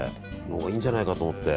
いいんじゃないかと思って。